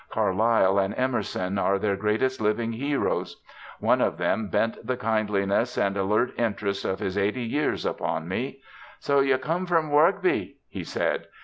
Carlyle and Emerson are their greatest living heroes. One of them bent the kindliness and alert interest of his eighty years upon me. "So you come from Rugby," he said.